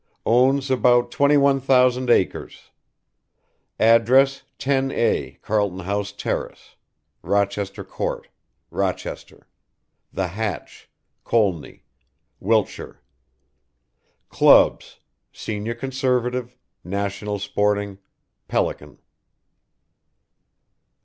Owns about 21,000 acres. Address 10A, Carlton House Terrace. Rochester Court, Rochester. The Hatch, Colney, Wilts. Clubs, Senior Conservative, National Sporting, Pelican.